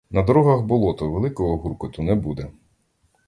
На дорогах болото, великого гуркоту не буде.